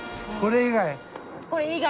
これ以外？